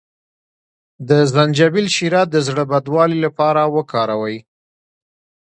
د زنجبیل شیره د زړه بدوالي لپاره وکاروئ